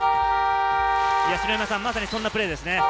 まさにそんなプレーですよね。